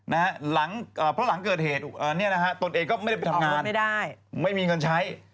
เพราะหลังเกิดเหตุตนเองก็ไม่ได้ไปทำงานไม่มีเงินใช้